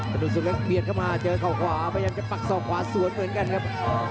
ดูสุดเล็กเบียดเข้ามาเจอเขาขวาพยายามจะปักศอกขวาสวนเหมือนกันครับ